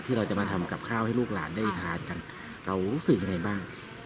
เราจะมาทำกับข้าวให้ลูกหลานได้ทานกันเรารู้สึกยังไงบ้าง